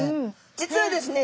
実はですね